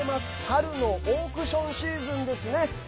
春のオークションシーズンですね。